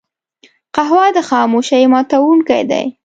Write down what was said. قهوه د خاموشۍ ماتونکی دی